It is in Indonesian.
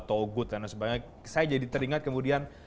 togut dan sebagainya saya jadi teringat kemudian